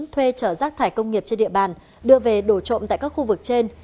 thuê chở rác thải công nghiệp trên địa bàn đưa về đổ trộn tại các khu vực trên